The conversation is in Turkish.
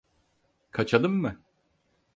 Kaçalım mı?